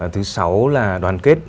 thứ sáu là đoàn kết